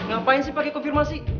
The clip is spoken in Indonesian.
gapain sih pakai konfirmasi